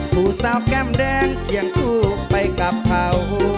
ผู้สาวแก้มแดงเคียงคู่ไปกับเขา